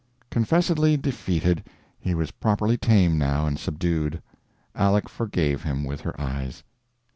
Confessedly defeated, he was properly tame now and subdued. Aleck forgave him with her eyes.